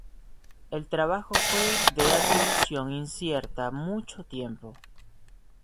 El trabajo fue de atribución incierta mucho tiempo.